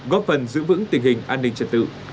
góp phần giữ vững tình hình an ninh trật tự